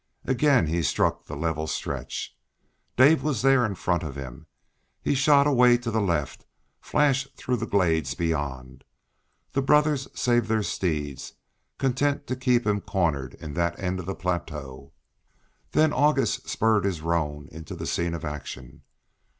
Again he struck the level stretch. Dave was there in front of him. He shot away to the left, and flashed through the glades beyond. The brothers saved their steeds, content to keep him cornered in that end of the plateau. Then August spurred his roan into the scene of action.